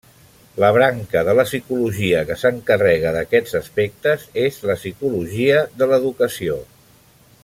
La branca de la psicologia que s'encarrega d'aquests aspectes, és la Psicologia de l'educació.